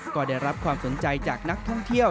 ก็ได้รับความสนใจจากนักท่องเที่ยว